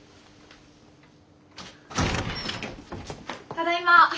ただいま。